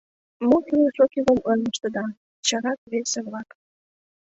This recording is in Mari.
— Мо кӱлеш-оккӱлым ойлыштыда! — чарат весе-влак.